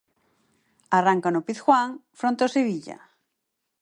Arranca no Pizjuán, fronte ao Sevilla.